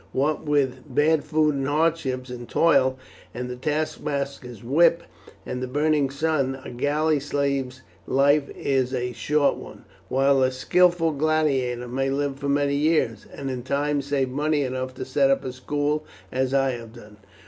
What with bad food and hardship and toil and the taskmaster's whip and the burning sun, a galley slave's life is a short one; while a skilful gladiator may live for many years, and in time save money enough to set up a school as I have done."